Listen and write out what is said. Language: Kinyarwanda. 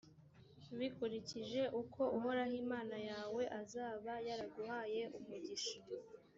bikurikije uko uhoraho imana yawe azaba yaraguhaye umugisha.